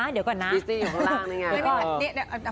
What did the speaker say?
เดี๋ยวก่อนนะ